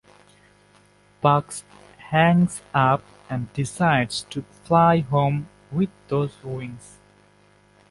Bugs hangs up and decides to fly home with those wings.